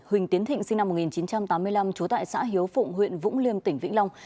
huỳnh tiến thịnh sinh năm một nghìn chín trăm tám mươi năm trú tại xã hiếu phụng huyện vũng liêm tỉnh vĩnh long